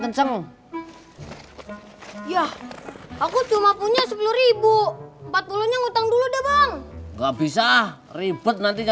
kenceng ya aku cuma punya rp sepuluh empat puluh nya ngutang dulu udah bang nggak bisa ribet nanti